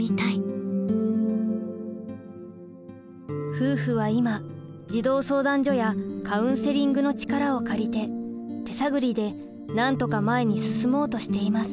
夫婦は今児童相談所やカウンセリングの力を借りて手探りでなんとか前に進もうとしています。